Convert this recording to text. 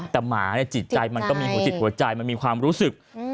แต่หมาจิตใจมันก็มีหัวจิตหัวใจมันมีความรู้สึก